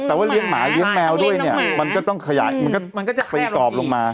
แต่ว่าเลี้ยงหมาเลี้ยงแมวด้วยเนี่ยมันก็ต้องขยายมันก็จะตีกรอบลงมา